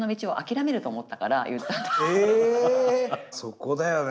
えそこだよね。